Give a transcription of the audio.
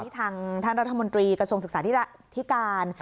ทางท่านรัฐมนตรีกระทรวงศึกษาธิการ